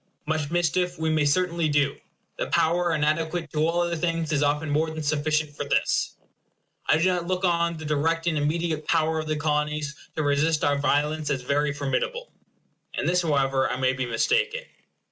Much mischief we may certainly do. The power inadequate to all other things is often more than sufficient for this. I do not look on the direct and immediate power of the Colonies to resist our violence as very formidable. In this, however, I may be mistaken.